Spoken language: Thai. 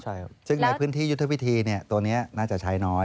แต่ของพื้นที่ยุทธวิธีตัวนี้น่าจะใช้น้อย